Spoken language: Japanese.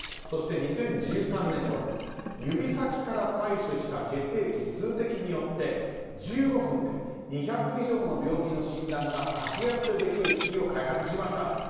そして２０１３年ごろ指先から採取した血液数滴によって１５分で２００以上の病気の診断が格安でできる機器を開発しました。